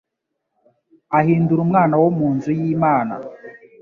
ahinduka umwana wo mu nzu y'Imana.